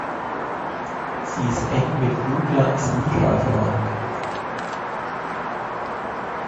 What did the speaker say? Sie ist eng mit "Juglans nigra" verwandt.